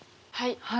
はい。